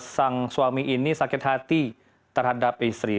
sang suami ini sakit hati terhadap istri